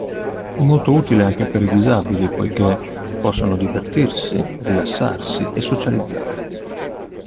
È molto utile anche per i disabili, poiché possono divertirsi, rilassarsi e socializzare.